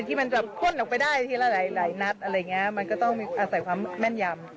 ที่มันจะพ่นออกไปได้ทีละหลายนัดอะไรอย่างนี้มันก็ต้องอาศัยความแม่นยำ